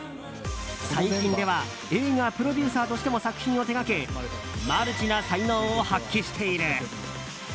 最近では映画プロデューサーとしても作品を手掛けマルチな才能を発揮している。